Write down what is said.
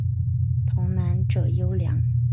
童男者尤良。